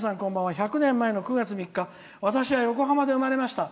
１００年前の９月３日に私は横浜で生まれました。